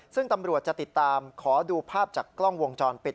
ซึ่งตำรวจจะติดตามขอดูภาพจากกล้องวงจรปิด